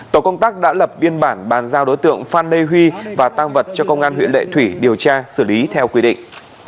tổ công tác đã lập biên bản bàn giao đối tượng phan đê huy và tăng vật cho công an huyện lệ thủy điều tra xử lý theo quy định